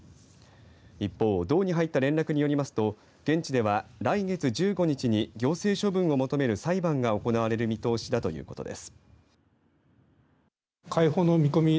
一方、道に入った連絡によりますと現地では来月１５日に行政処分を求める裁判が行われる見通しだということです。